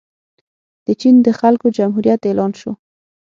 د چین د خلکو جمهوریت اعلان شو.